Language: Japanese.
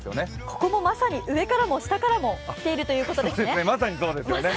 ここもまさに上からも下からもきているということですね。